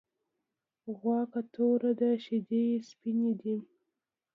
غوا که توره ده شيدې یی سپيني دی .